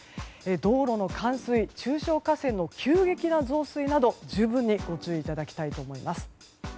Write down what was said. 道路の冠水中小河川の急激な増水など十分にご注意いただきたいと思います。